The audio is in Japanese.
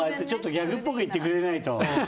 ギャグっぽく言ってくれないと。